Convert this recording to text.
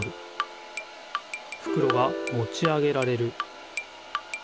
ふくろがもち上げられる。